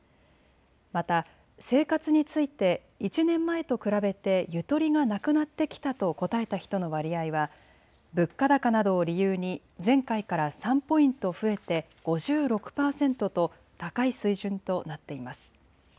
また生活について１年前と比べてゆとりがなくなってきたと答えた人の割合は物価高などを理由に前回から３ポイント増えて５６％と高い水準となっています。